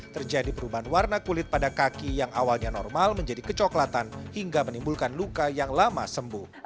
terjadi perubahan warna kulit pada kaki yang awalnya normal menjadi kecoklatan hingga menimbulkan luka yang lama sembuh